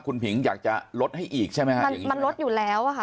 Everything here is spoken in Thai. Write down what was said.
คุณผิงอยากจะลดให้อีกใช่ไหมฮะมันมันลดอยู่แล้วอ่ะค่ะ